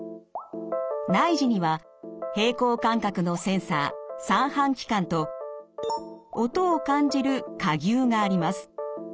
内耳には平衡感覚のセンサー三半規管と音を感じる蝸牛があります。